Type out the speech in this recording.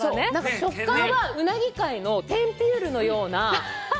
食感はうなぎ界のテンピュールのような。